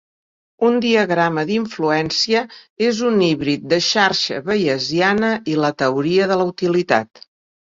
Un diagrama d'influència és un híbrid de xarxa bayesiana i la Teoria de la Utilitat.